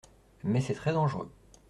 Mais c’est très dangereux.